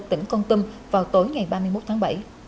tỉnh con tâm vào tối ngày ba mươi một tháng bảy